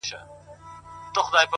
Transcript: • ترڅو له ماڅخه ته هېره سې ـ